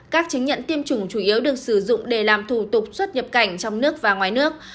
các chứng nhận tiêm chủng chủ yếu được sử dụng để làm thủ tục xuất nhập cảnh trong nước và ngoài nước